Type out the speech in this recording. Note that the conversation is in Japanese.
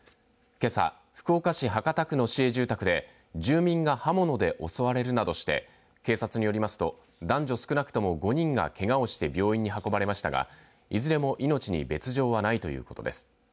けさ福岡市博多区の市営住宅で住民が刃物で襲われるなどして警察によりますと男女、少なくとも５人がけがをして病院に運ばれましたがいずれも命に別状はないということです。